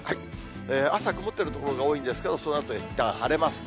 朝曇っている所が多いんですけど、そのあといったん晴れますね。